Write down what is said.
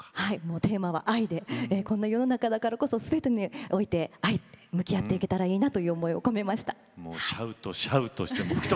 テーマは愛でこんな世の中なので愛に向き合っていけたらいいなという思いを込めました。